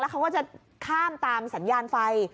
เขาก็จะข้ามตามสัญญาณไฟ